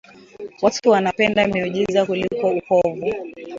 Watu wanapenda miujiza kuliko ukovu